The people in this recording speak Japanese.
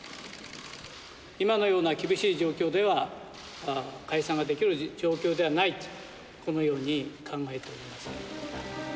今のような厳しい状況では、解散ができるような状況ではないと、このように考えております。